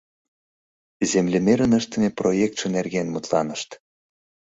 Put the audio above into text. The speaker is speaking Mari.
Землемерын ыштыме проектше нерген мутланышт.